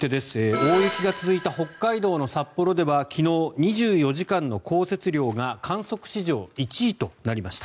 大雪が続いた北海道の札幌では昨日、２４時間の降雪量が観測史上１位となりました。